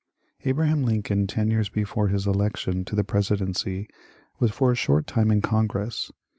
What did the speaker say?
Abraham Lincoln, ten years before his election to the pre sidency, was for a short time in Congress.